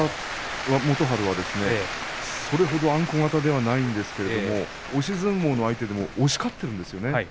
若元春は、それほどあんこ型ではなかったんですが押し相撲相手でも押し勝っているんですね。